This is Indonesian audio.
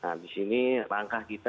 nah disini langkah kita